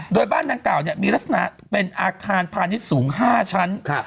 โดยบ้านดังกล่าวมีลักษณะเป็นอาคารพาณิชย์สูง๕ชั้น